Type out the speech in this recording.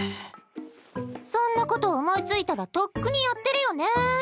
そんなこと思いついたらとっくにやってるよね。